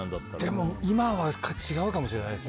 でも、今は違うかもしれないです。